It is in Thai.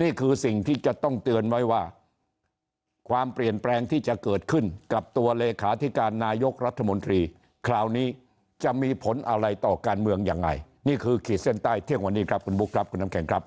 นี่คือสิ่งที่จะต้องเตือนไว้ว่าความเปลี่ยนแปลงที่จะเกิดขึ้นกับตัวเลขาธิการนายกรัฐมนตรีคราวนี้จะมีผลอะไรต่อการเมืองยังไงนี่คือขีดเส้นใต้เที่ยงวันนี้ครับคุณบุ๊คครับคุณน้ำแข็งครับ